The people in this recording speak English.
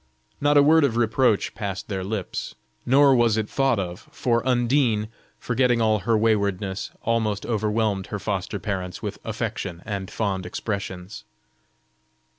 Not a word of reproach passed their lips; nor was it thought of, for Undine, forgetting all her waywardness, almost overwhelmed her foster parents with affection and fond expressions.